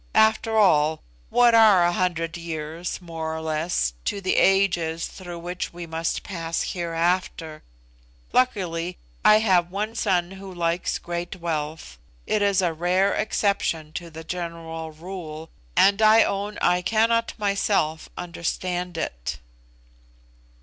After all, what are a hundred years, more or less, to the ages through which we must pass hereafter? Luckily, I have one son who likes great wealth. It is a rare exception to the general rule, and I own I cannot myself understand it."